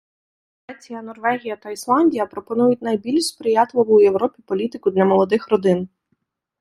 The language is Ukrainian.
Швеція, Норвегія та Ісландія пропонують найбільш сприятливу у Європі політику для молодих родин.